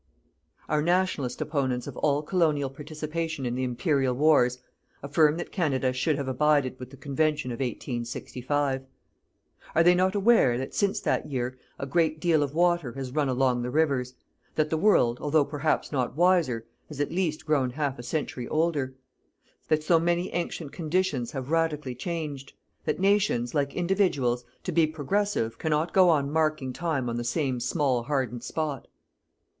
Our "Nationalist" opponents of all colonial participation in the Imperial wars, affirm that Canada should have abided with the convention of 1865. Are they not aware that, since that year, a great deal of water has run along the rivers; that the world, although perhaps not wiser, has at least grown half a century older; that so many ancient conditions have radically changed; that nations, like individuals, to be progressive, cannot go on marking time on the same small hardened spot?